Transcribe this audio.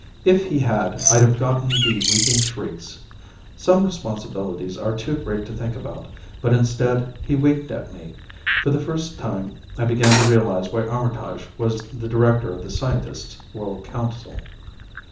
If he had, I'd have gotten the weeping shrieks. Some responsibilities are too great to think about. But instead he winked at me. For the first time, I began to realize why Armitage was the Director of the Scientists' World Council.